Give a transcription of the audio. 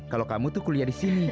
kalau kamu tuh kuliah di sini